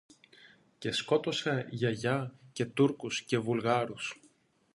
Και σκότωσε, Γιαγιά, και Τούρκους και Βουλγάρους